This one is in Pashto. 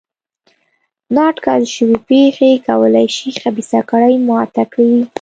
نا اټکل شوې پېښې کولای شي خبیثه کړۍ ماته کړي.